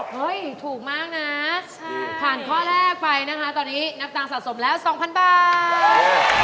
เฮ้ยถูกมากนะผ่านข้อแรกไปนะคะตอนนี้นับตังค์สะสมแล้ว๒๐๐บาท